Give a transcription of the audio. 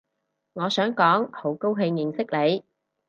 我想講好高興認識你